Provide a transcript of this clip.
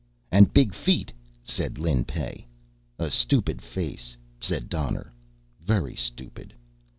"And big feet," said Lin Pey. "A stupid face," said Donner. "Very stupid."